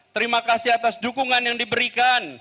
terima kasih atas dukungan yang diberikan